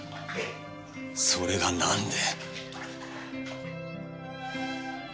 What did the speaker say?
それがなんで？